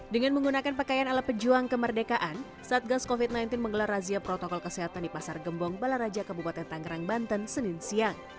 dengan menggunakan pakaian ala pejuang kemerdekaan satgas covid sembilan belas menggelar razia protokol kesehatan di pasar gembong balaraja kabupaten tangerang banten senin siang